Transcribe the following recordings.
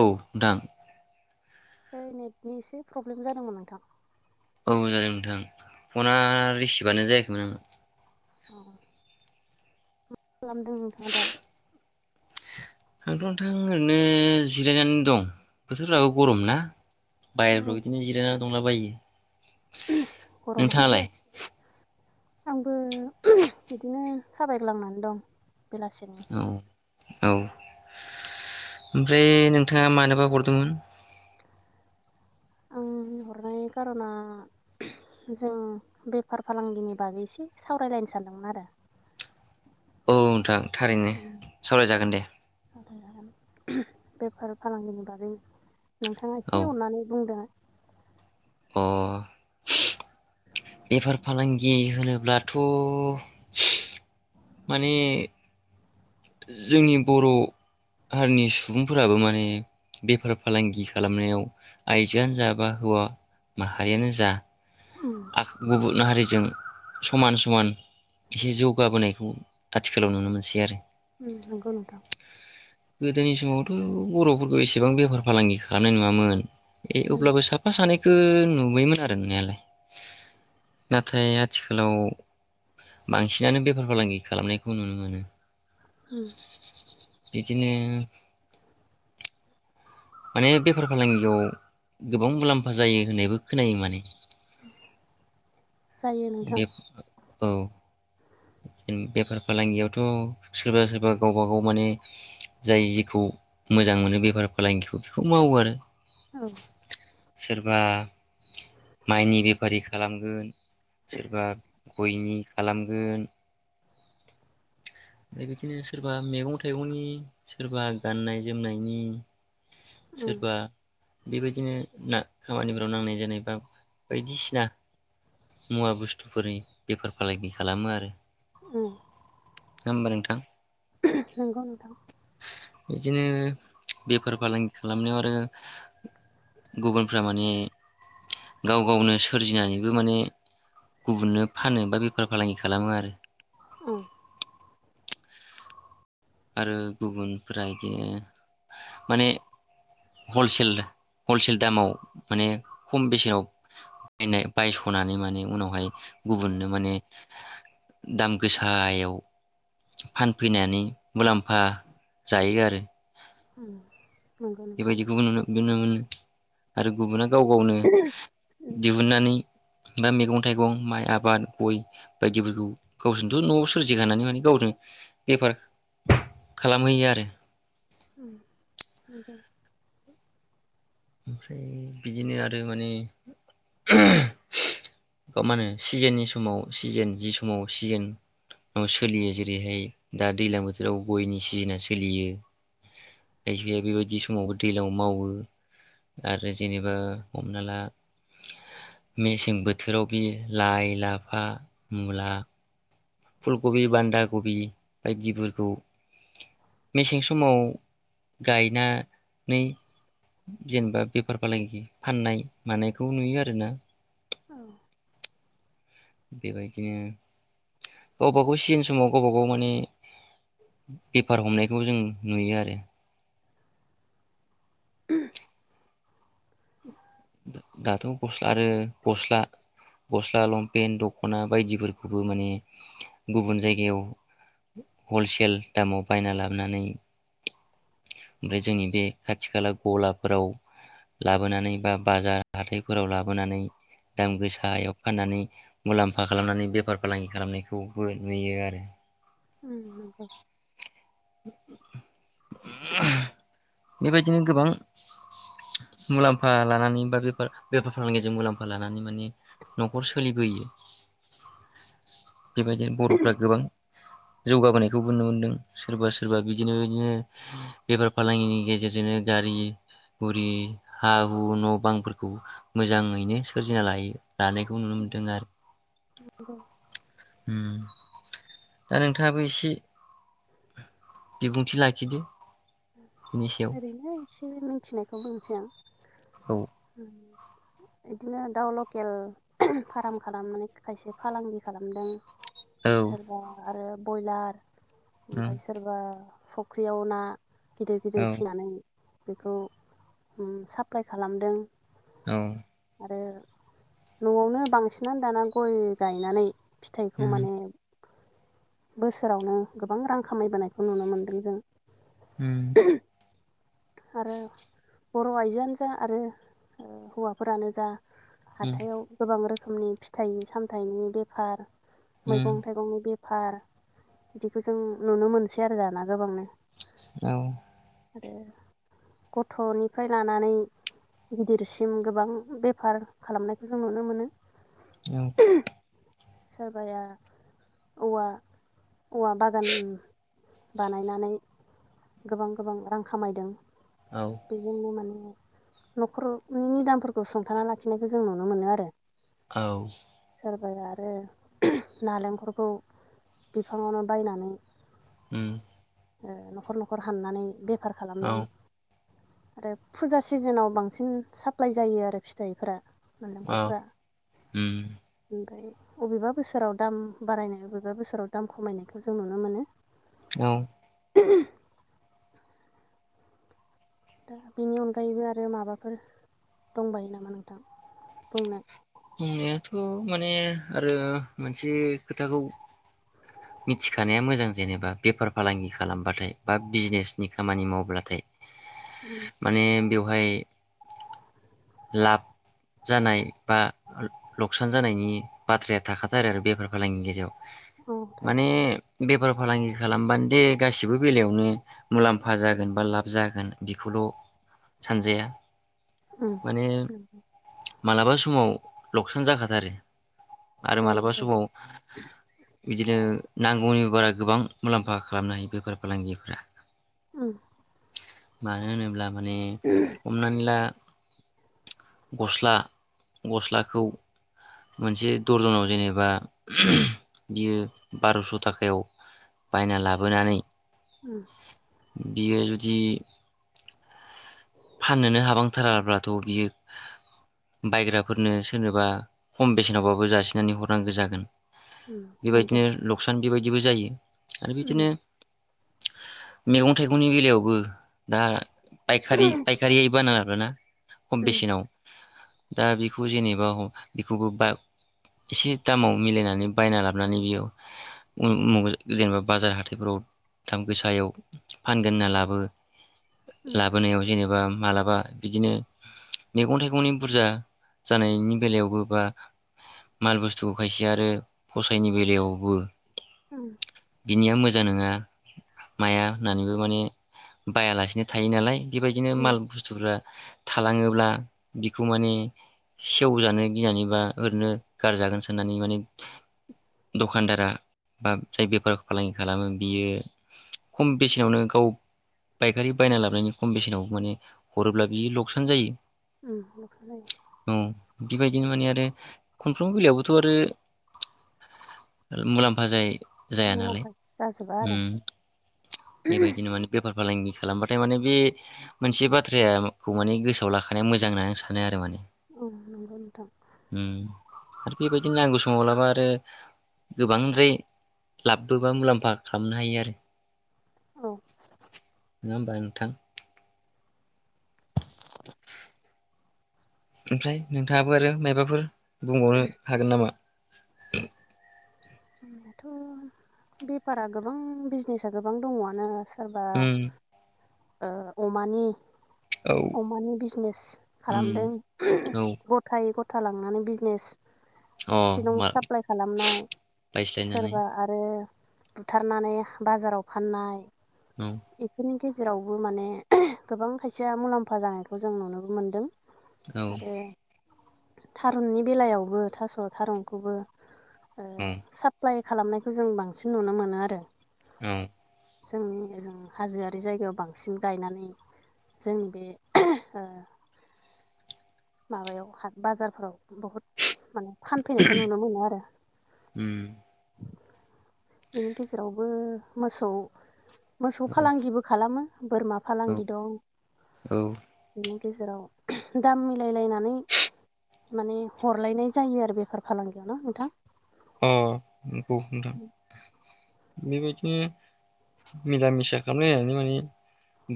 औ नोंथां ओइ नेटनिसो प्रब्लेम जादोंमोन नोंथां औ जादों नोंथां, फना रिसिभानो जायाखैमोन आंना। अह खालामदों नोंथाङा दा। आंथ' नोंथां ओरैनो जिरायनानै दं, बोथोरफ्राबो गरम ना। औ बाहेरफोराव बिदिनो जिरायना दंलाबायो [inaudible] गरमानो दे नोंथाङालाय? आंबो बिदिनो थाबायलांनानै दं बेलासिनि औ औ, ओमफ्राय नोंथाङा मानोबा हरदोंमोन? आं हरनाय खारना जों बेफार फालांगिनि बागै एसे सावरायलायनो सानदोंमोन आरो। औ नोंथां थारैनो सावरायजागोन दे सावरायजागोन बेफार फालांगिनि बागै नोंथाङा औ एसे अननानै बुंदो अह बेफार फालांगि होनोब्लाथ माने जोंनि बर हारिनि सुबुंफोराबो माने बेफार फालांगि खालामनायाव आइजोआनो जा बा हौवा माहारियानो जा उम गुबुन हारिजों समान समान एसे जौगाबोनाय उम आथिखालाव नुनो मोनसै आरो। उ नोंगौनोथ गोदोनि समावथ बरफोरखौ एसेबां बेफार फालांगि खालामनाय नुवामोन ए उम अब्लाबो साफा सानै बेखो नुबायमोन आरो नुनायालाय नाथाय आथिखालाव बांसिनानो बेफार फालांगि खालामनायखौ नुनो मोनो उम बिदिनो उम माने बेफार फालांगियाव गोबां मुलाम्फा जायो होननायबो खोनायो माने जायो बे नोंथां औ जेन बेफार फालांगियावथ सोरबा सोरबा गावबा गाव माने जाय जिखौ मोजां मोनो बेफार फालांगिखौ बेखौ मावो आरो औ सोरबा माइनि बेफारि खालामगोन सोरबा गयनि खालामगोन। बेनिखायनो सोरबा मेगं थाइगंनि सोरबा गाननाय जोमनायनि उम सोरबा बेबायदिनो ना खामानिफोराव नांनाय जानाय बा बायदिसिना मुवा बुस्थुफोरनि बेफार फालांगि खालामो आरो उम। नङाबा नोंथां। [unintelligible] नंगौ नोंथां। बिदिनो बेफार फालांगि खालामनायाव आरो गुबुनफ्रा माने गाव गावनो सोरजिनानैबो माने गुबुननो फानो बा बेफार फालांगि खालामो आरो। उ आरो गुबुनफोरा इदिनो माने हलसेल हलसेल दामाव माने खम बेसेनाव बायनाय बायसनानै माने उनावहाय गुबुननो माने दाम गोसायाव फानफैनानै मुलाम्फा जायो आरो। उम नंगौ नोंथां बेबायदिखौबो नुनो नुनो मोनो आरो गुबुना गाव गावनो उम दिहुननानै बा मैगं थाइगं माइ आबाद गय बायदिफोरखौ गावजोंथ नआव सोरजिखनानै माने गावनो बेफार खालामहैयो आरो उम नोंगौ। ओमफ्राय बिदिनो आरो माने मा होनो सिजेननि समाव सिजेन जि समाव सिजेनाव सोलियो जेरैहाय दा दैज्लां बोथोराव गयनि सिजेना सोलियो खायसेया बेबायदि समावबो दैज्लांआव मावो। आरो जेनेबा हमना ला मेसें बोथोराव बि लाइ लाफा मुला फुलकबि बान्दा कबि बायदिफोरखौ मेसें समाव गायना नै जेनेबा बेफार फालांगि फाननाय मानायखौ नुयो आरोना औ बेबायदिनो गावबा गाव सिजेन समाव गावबा गाव माने बेफार हमनायखौ जों नुयो आरो। दाथ' गस्ला आरो गस्ला गस्ला लंपेन्ट दख'ना बायदिफोरखौबो माने गुबुन जायगायाव हलसेल दामाव बायना लाबोनानै ओमफ्राय जोंनि बे खाथि खाला गलाफोराव लाबोनानै बा बाजार हाथायफोराव लाबोनानै दाम गोसायाव फाननानै मुलाम्फा खालामनानै बेफार फालांगि खालामनायखौबो नुयो आरो उम नोंगौ। बेबायदिनो गोबां मुलाम्फा लानानै बा बेफार बेफार फालांगिजों मुलाम्फा लानानै माने नखर सोलिबोयो बेबायदिनो बर'फोरा गोबां जौगाबोनायखौबो नुनो मोनदों। सोरबा सोरबा बिदिनो बिदिनो बेफार फालांगिनि गेजेरजोंनो गारि गुरि हा हु न' बांफोरखौ मोजाङैनो सोरजिना लायो लानायखौ नुनो मोन्दों आरो। नोंगौ उम दा नोंथाङाबो एसे बिबुंथि लाखिदो। बिनि सायाव ओरैनो एसे बे मिथिनायखौ बुंनोसै आं औ उम बिदिनो दाउ लकेल फ्रार्म खालामनानै खायसे फालांगि खालामदों। औ सोरबा आरो बयलार। उम ओमफाय सोरबा फख्रियाव ना औ फिनानै बेखौ उम साफ्लाय खालामदों औ आरो नआवनो बांसिनानो दाना गय गायनानै फिथाइखौ उम माने बोसोरावनो गोबां रां खामायबोनायखौ नुनो मोनदों जों उम आरो बर आइजोआनो जा आरो ओ हौवाफोरानो जा उम हाथायाव गोबां रो रोखोमनि फिथाइ-सामथाइनि बेफार, उम मैगं-थाइगंनि बे फार बिदिखौ जों नुनो मोनसै आरो दाना गोबांनो औ। आरो गथ'निफ्राय लानानै गिदिरसिम गोबां बेफार खालामनायखौ जों नुनो मोनो। औ सोरबाया औवा, औवा बागान बानायनानै गोबां गोबां रां खामायदों औ बेजोंनो माने न'खरनि निदानफोरखौ सुंथानानानै लाखिनायखौ जों नुनो मोनो आरो औ फोर आरो नालेंखलखौ बिफाङावनो बायनानै ओम नखर नखर हाननानै। बेफा औ खालामदों आरो फुजा सिजोनाव बांसिन साफ्लाय जायो आरो फिथाइफोरा औ नालेंखरफ्रा उम ओमफ्राय बबेबा बोसोराव दाम बारायनाय, बबेबा बोसोराव दाम खमायनायखौ जों नुनो मोनो। औ। दा बेनि अनगायैबो आरो माबाफोर दंबायो नामा नोंथां? बुंनाय बुंनायाथ माने आरो मोनसे खोथाखौ मिथिखानाया मोजां जेनेबा बेफार फालांगि खालामब्लााथाय बा बिजनेसनि खामानि मावब्लाथाय माने बेवहाय लाब जानाय बा लख्सान जानायनि बाथ्राया थाखाथारो आरो बेफार फालांगिनि गेजेराव। औ थायो माने बेफार-फालांगि खालामबानो दे गासिबो बेलायावनो मुलाम्फा जागोन बा लाब जागोन बेखौल सानजाया। माने मालाबा समाव लकसान जाखाथारो आरो जायो मालाबा जायो समाव बिदिनो नांगौनि बारा गोबां मुलाम्फा खालामनो हायो बेफार फालांगिफ्रा। उम मानो होनोब्ला माने हमनानै ला गस्ला गस्लाखौ मोनसे दरजनाव जेनेबा बियो बार'स' थाखायाव बायना लाबोनानै उम। बियो जुदि फाननोनो हाबांथाराब्लाथ बियो बायग्राफोरनो सोरनोबा खम बेसेनावबाबो जासिनानै हरनांगौ जागोन। नंगौ बेबायदिनो लकसान बेबा बिदिबो जायो आरो बिदिनो मैगं थाइगंनि बेलायावबो दा पायखारि फैबाना आरोना खम बेसेनाव दा बेखौ जेनेबा ह बेखौबो बा एसे दामाव मिलायनानै बायना लाबोनानै बेयो उम जेनेबा बाजार हाथाइफोराव दाम गोसायाव फानगोन होनना लाबो लाबोनायाव एनेबा मालाबा बिदिनो मैगं थाइगंनि बुरजा जानायनि बेलायावबो बा माल बुस्थु खायसे आरो फसायनि बेलायावबो उम बिनिया मोजां नङा माया होननानैबो माने बायालासेनो थायो नालाय। बेबायदिनो माल बुस्थुफ्रा थालाङोब्ला बिखौ माने सेवजानो गिनानै बा ओरैनो गारजागोन साननानै माने दखानदारा बा जाय बेफार फालांगि खालामो बियो खम बेसेनावनो गाव पायखारि बायना लाबनायनि खम बेसेनावबो माने हरोब्ला बियो लकसान जायो जायो औ बिबायदिनो माने आरो खनफ्रोमबो बेलायावबोथ' आरो मुलाम्फा जाय जाया नालाय मुलाम्फा जाजोबा उम आरो बेबायदिनो माने बेफार फालांगि खालामबाथाय माने बे मोनसे बाथ्रायाखौ माने गोसोआव लाखानाया मोजां होननानै सानो आरो माने औ नंगौ नोंथां। उम आरो बेबायदिनो नांगौ समाव लाबा आरो गोबांद्राय लाबबो बा मुलाम्फा खालामनो हायो आरो औ। नङा होमबा नोंथां? ओमफ्राय नोंथाङाबो आरो मायबाफोर? बुंबावनो हागोन नामा? [inaudible] होनबाथ बेफारा गोबां बिजनेसा गोबां दङआनो सोरबा उम ओ अमानि औ अमानि बिजनेस उम खालामदों औ [unintelligible] गथाय गथ थालांनानै बिजनेस अ सिलं मा साप्लाय खालामनाय बायस्लायनानै ओ बुथारनानै बाजाराव फाननाय औ एखिनि गेजेरावबो माने गोबां खायसेया मुलाम्फा जानायखौ जों नुनोबो मोनदों आरो थारुननि बेलायावबो थास थारुनखौबो ओ। औ एप्लाइ खालामनायखौ जों बांसिन नुनो मोनो आरो। उम। जोंनि ओजों हाजोआरि जायगायाव बांसिन गायनानै जोंनि बे ओ माबायाव हा बाजारफोराव बहुद माने फानफैनायखौ नुनो मोनो आरो बेनि गेजेरावबो मोसौ मोसौ फालांगिबो खालामो। बोरमा फालांगि दं बे गेजेराव दाम मिलायलायनानै माने हरलायनाय जायो आरो बेफार फालांगियाव ना नोंथां अ नंगौ नोंथां। बेबायदिनो मिला मिसा खालामलायनानै माने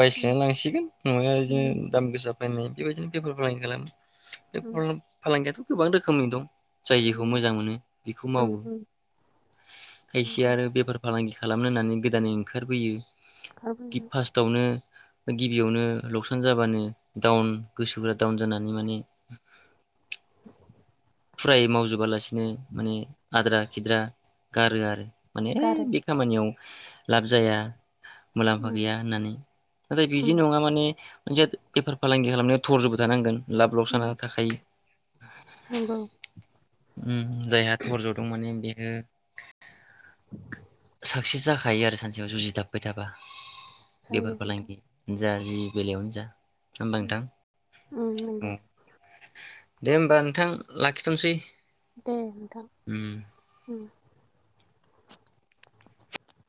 बायस्लायना लांसिगोन नङा बिदिनो नंगौ दाम गोसा ओनै बेबायदिनो बेफार फालांगि खालामो। बे [unintelligible] फालांगियाथ गोबां रोखोमनि दं जाय जेखौ मोजां मोनो बेखौ मावो खायसे आरो बेफार फालांगि खालामनो होननानै गोदानै ओंखारबोयो गि गारबोयो फास्टावनो गिबियावनो लकसान जाबानो डाउन गोसोफोरा डाउन जानानै माने फुरायै मावजुबालासिनो माने आद्रा खिद्रा गारो आरो माने गारो बे खामानियाव लाब जाया मुलामबो गैया होननानै नाथाय बिदि नङा माने जेत बेफार फालांगि खालामनायाव थरजबो थानांगोन लाब लकसनआ थाखायो। नोंगौ। उम जायहा थरज' दं माने बेयो साक्सेस जाखायो आरो सानसेयाव जुजिथाब्बाय थाबा। जायो बेफार नोंथां फालांगि जा जि बेलायावनो जा होमबा नोंथां उम उम नंगौ दे होमबा नोंथां लाखिथसै दे नोंथां उम